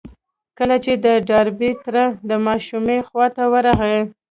کله چې د ډاربي تره د ماشومې خواته ورغی.